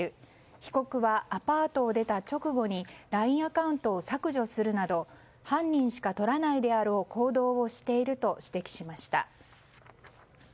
被告はアパートを出た直後にＬＩＮＥアカウントを削除するなど犯人しかとらないであろう行動をしていると指摘しました。